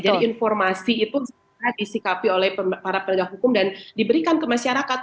jadi informasi itu segera disikapi oleh para penegak hukum dan diberikan ke masyarakat